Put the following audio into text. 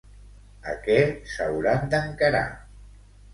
A què s'hauran d'encarar?